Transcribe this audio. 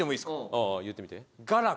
ああ言ってみて。